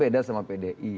beda sama pdi